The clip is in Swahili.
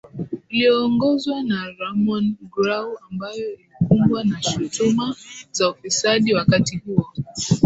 iliyoongozwa na Ramon Grau ambayo ilikumbwa na shutuma za ufisadi wakati huo